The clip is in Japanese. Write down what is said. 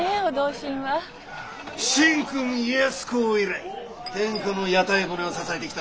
神君家康公以来天下の屋台骨を支えてきたのは我ら侍。